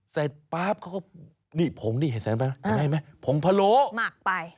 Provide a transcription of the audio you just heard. ป๊าบเขาก็นี่ผมนี่เห็นไหมผงพะโล้หมักไป